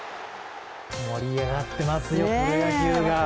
盛り上がってますよ、プロ野球が。